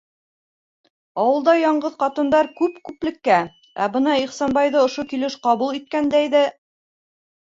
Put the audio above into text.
Ауылда яңғыҙ ҡатындар күп күплеккә, ә бына Ихсанбайҙы ошо килеш ҡабул иткәндәйҙе...